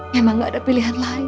memang gak ada pilihan lain